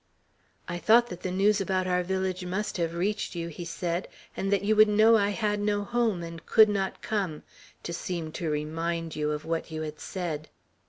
"I thought that the news about our village must have reached you," he said, "and that you would know I had no home, and could not come, to seem to remind you of what you had said.